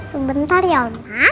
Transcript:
sebentar ya oma